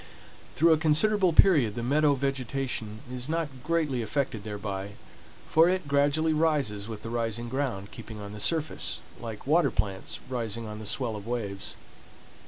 Through a considerable period the meadow vegetation is not greatly affected thereby, for it gradually rises with the rising ground, keeping on the surface like water plants rising on the swell of waves.